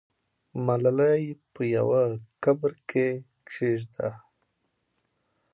ملالۍ په یوه قبر کې کښېږده.